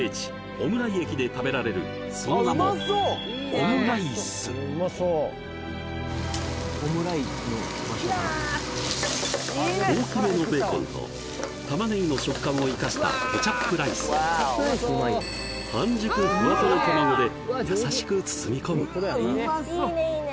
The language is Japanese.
小村井駅で食べられるその名も大きめのベーコンと玉ねぎの食感を生かしたケチャップライスをで優しく包み込むいいねいいね